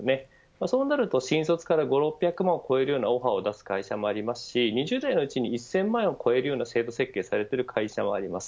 そうなると新卒から５、６００万を超えるようなオファーを出す会社もありますし２０代のうちに１０００万円を超えるような制度設計されている会社もあります。